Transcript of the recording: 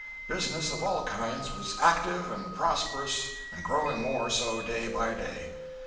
Business of all kinds was active and prosperous and growing more so day by day.